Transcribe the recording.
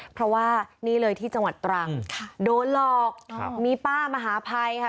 เพราะว่านี่เลยที่จังหวัดตรังโดนหลอกมีป้ามหาภัยค่ะ